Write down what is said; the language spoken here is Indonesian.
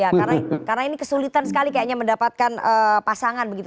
ya karena ini kesulitan sekali kayaknya mendapatkan pasangan begitu